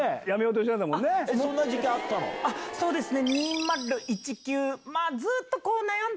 そうですね。